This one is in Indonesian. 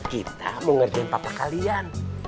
kita mau ngerjain papa kalian